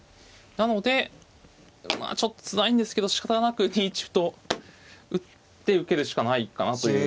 なのでちょっとつらいんですけどしかたなく２一歩と打って受けるしかないかなという。